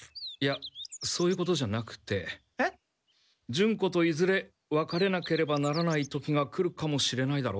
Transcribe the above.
ジュンコといずれ別れなければならない時が来るかもしれないだろ？